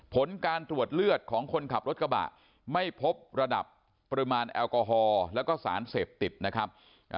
ผลการตรวจเลือดของคนขับรถกระบะไม่พบระดับปริมาณแอลกอฮอลแล้วก็สารเสพติดนะครับ